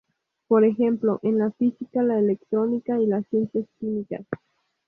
Por ejemplo, en la física, la electrónica y las ciencias químicas.